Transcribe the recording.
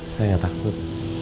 saya gak takut